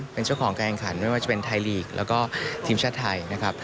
เป็นเจ้าของการแข่งขันไม่ว่าจะเป็นไทยลีกแล้วก็ทีมชาติไทยนะครับ